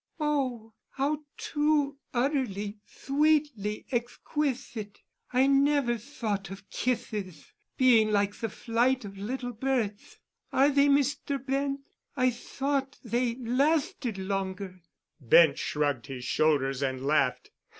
"Oh, how too utterly thweetly exthquithite! I never thought of kitheth being like the flight of little birdth. Are they, Mr. Bent? I thought they lathted longer." Bent shrugged his shoulders and laughed.